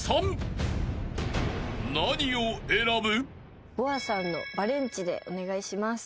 ［何を選ぶ？］